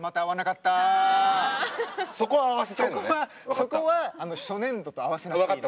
そこは初年度と合わせなくていいの。